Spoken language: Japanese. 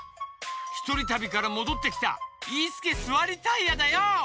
ひとりたびからもどってきたイースケ・スワリタイヤだよ！